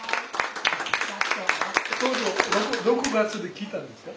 棟梁６月って聞いたんですか？